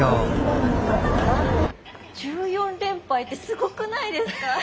１４連敗ってすごくないですか？